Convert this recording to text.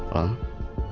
tidak ada yang mau